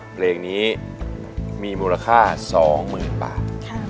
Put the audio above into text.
เพลงนี้มีมูลค่า๒๐๐๐บาท